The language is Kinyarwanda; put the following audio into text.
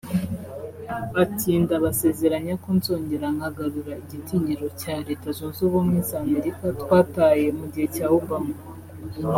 Ati “Ndabasezeranya ko nzongera nkagarura igitinyiro cya Leta Zunze Ubumwe za Amerika twataye mu gihe cya Obama